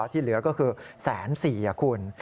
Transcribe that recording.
ที่เหลือก็คือ๑๔๐๐คุณ